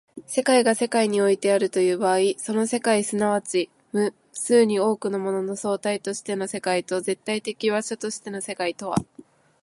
世界が世界においてあるという場合、その世界即ち無数に多くのものの総体としての世界と絶対的場所としての世界とは